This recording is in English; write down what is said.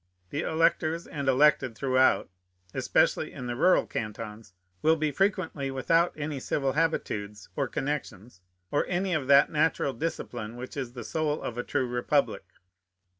The electors and elected throughout, especially in the rural cantons, will be frequently without any civil habitudes or connections, or any of that natural discipline which is the soul of a true republic.